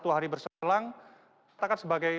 hari berselang saya katakan sebagai